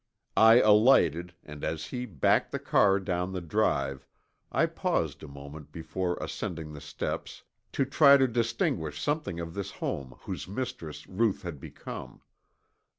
I alighted and as he backed the car down the drive I paused a moment before ascending the steps to try to distinguish something of this home whose mistress Ruth had become.